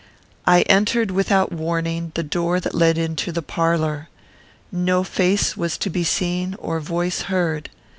I entered, without warning, the door that led into the parlour. No face was to be seen or voice heard.